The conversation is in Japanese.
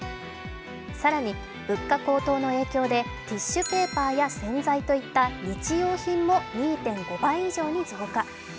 更に物価高騰の影響でティッシュペーパーや洗剤といった日用品も２．５倍以上に増加。